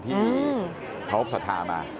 ที่ครบสถามา